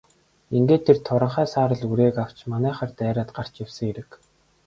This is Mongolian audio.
Ингээд тэр туранхай саарал үрээг авч манайхаар дайраад гарч явсан хэрэг.